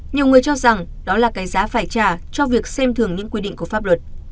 nhiều người cho rằng đó là cái giá phải trả cho việc xem thường những quy định của pháp luật